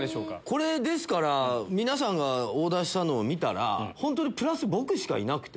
これですから皆さんがオーダーしたのを見たらプラス僕しかいなくて。